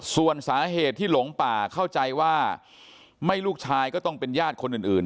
ส่วนสาเหตุที่หลงป่าเข้าใจว่าไม่ลูกชายก็ต้องเป็นญาติคนอื่น